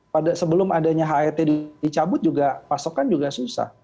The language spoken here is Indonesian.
pada sebelum adanya het dicabut juga pasokan juga susah